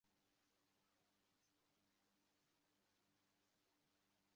রঘুপতি তাহা সম্পূর্ণ অনুমোদন করিলেন।